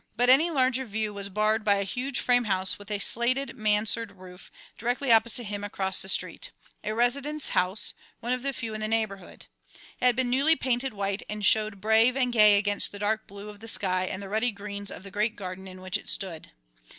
But any larger view was barred by a huge frame house with a slated mansard roof, directly opposite him across the street, a residence house, one of the few in the neighbourhood. It had been newly painted white and showed brave and gay against the dark blue of the sky and the ruddy greens of the great garden in which it stood.